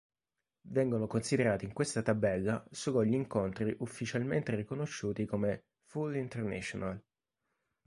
Vengono considerati in questa tabella solo gli incontri ufficialmente riconosciuti come "Full International".